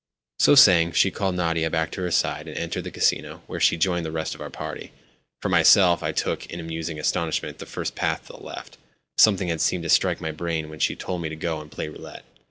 So saying, she called Nadia back to her side, and entered the Casino, where she joined the rest of our party. For myself, I took, in musing astonishment, the first path to the left. Something had seemed to strike my brain when she told me to go and play roulette.